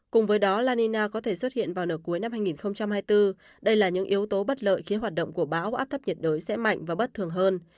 cùng với đó la nina có thể xuất hiện vào nửa cuối năm hai nghìn hai mươi bốn đây là những yếu tố bất lợi khi hoạt động của bão áp thấp nhiệt đới sẽ mạnh và bất thường hơn